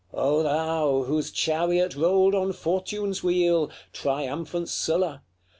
LXXXIII. O thou, whose chariot rolled on Fortune's wheel, Triumphant Sylla!